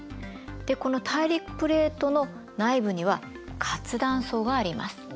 でこの大陸プレートの内部には活断層があります。